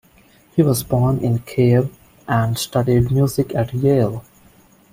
He was born in Kiev, and studied music at Yale.